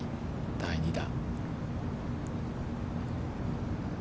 第２打。